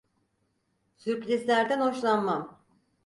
Sürprizlerden hoşlanmam.